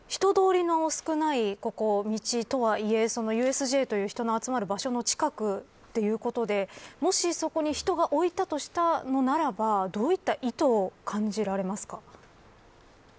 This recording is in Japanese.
人通りの少ない道とはいえＵＳＪという人の集まる場所の近くということでもしそこに人が置いたとしたのならばどういった意図を感じますか。